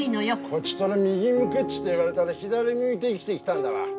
こちとら右向けっちって言われたら左向いて生きてきたんだわ。